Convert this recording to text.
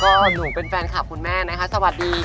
ก็หนูเป็นแฟนคลับคุณแม่นะคะสวัสดี